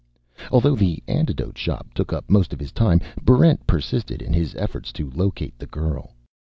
Although the Antidote Shop took up most of his time, Barrent persisted in his efforts to locate the girl.